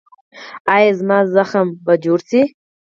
ایا زما زخم به جوړ شي؟